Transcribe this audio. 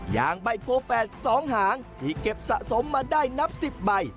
อย่างใบโกแฝด๒หางที่เก็บสะสมมาได้นับ๑๐ใบ